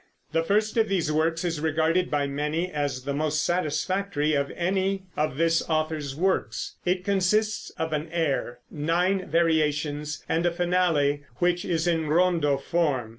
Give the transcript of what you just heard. The first of these works is regarded by many as the most satisfactory of any of this author's works. It consists of an air, nine variations and a finale which is in rondo form.